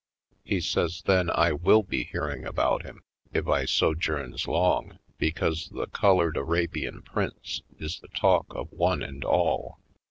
He says then I will be hearing about him if I sojourns long, be cause the Colored Arabian Prince is the talk of one and all.